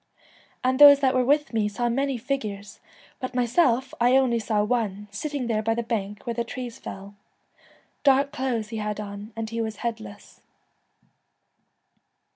And those that were with me saw many figures, but myself I only saw one, sitting there by the bank where the trees fell. Dark clothes he had on, and he was headless.'